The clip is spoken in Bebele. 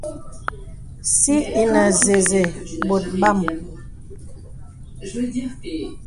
Sì ìnə zəzə bɔ̀t bàm.